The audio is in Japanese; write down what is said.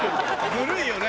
ずるいよね。